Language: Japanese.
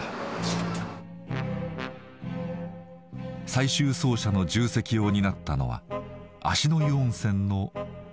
最終走者の重責を担ったのは芦之湯温泉の萬